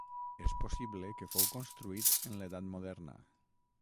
És possible que fou construït en l'edat moderna.